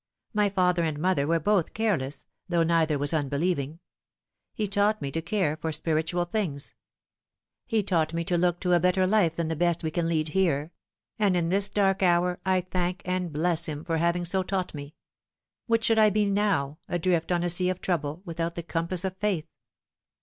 My father and mother were both careless, though neither was unbelieving. He taught me to care for spiritual things. He taught me to look to a better life than the best we can lead here ; and in this dark hour I thank and bless him for having so taught me. What should I be now, adrift on a sea of trouble, without the compass of faith